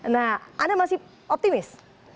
nah anda masih optimis